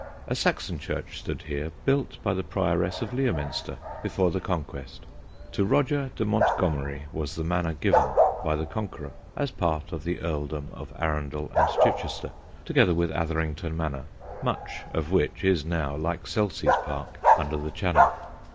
A Saxon church stood here, built by the Prioress of Leominster, before the Conquest: to Roger de Montgomerie was the manor given by the Conqueror, as part of the earldom of Arundel and Chichester, together with Atherington manor, much of which is now, like Selsey's park, under the Channel.